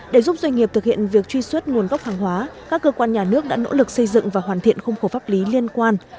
để giúp doanh nghiệp thực hiện việc truy xuất nguồn gốc hàng hóa các cơ quan nhà nước đã nỗ lực xây dựng và hoàn thiện khung khổ pháp lý liên quan